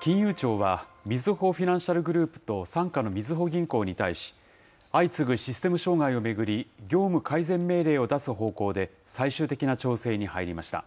金融庁はみずほフィナンシャルグループと傘下のみずほ銀行に対し、相次ぐシステム障害を巡り、業務改善命令を出す方向で、最終的な調整に入りました。